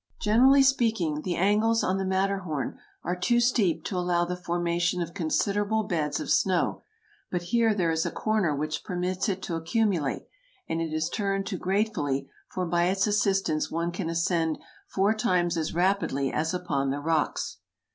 ] Generally speaking, the angles on the Matterhorn are too steep to allow the formation of considerable beds of snow, but here there is a corner which permits it to accu mulate, and it is turned to gratefully, for by its assistance one can ascend four times as rapidly as upon the rocks.